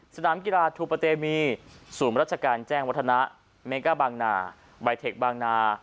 สนามกีฬาทูปะเตมีศูนย์ราชการแจ้งวัฒนะเมก้าบางนาใบเทคบางนา